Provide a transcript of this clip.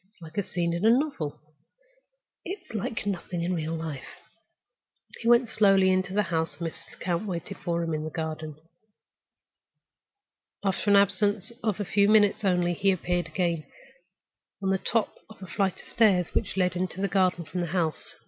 "It's like a scene in a novel—it's like nothing in real life." He went slowly into the house, and Mrs. Lecount waited for him in the garden. After an absence of a few minutes only he appeared again, on the top of the flight of steps which led into the garden from the house.